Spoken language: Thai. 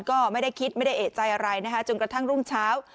ก็ไม่ได้คิดไม่ได้เอกใจอะไรนะคะจนกระทั่งรุ่งเช้า